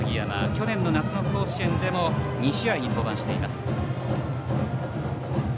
去年の夏の甲子園でも２試合に登板しています。